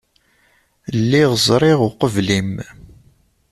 Lliɣ ẓriɣ uqbel-im.